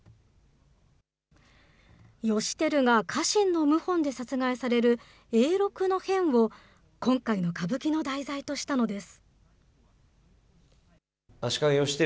義輝が家臣の謀反で殺害される永禄の変を、今回の歌舞伎の題材としたのです。